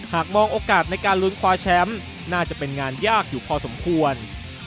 หากมองโอกาสในการลุ้นคว้าแชมป์น่าจะเป็นงานยากอยู่พอสมควร